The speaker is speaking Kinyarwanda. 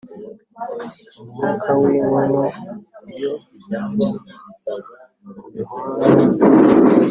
umwuka w' inkono iyo ubihonze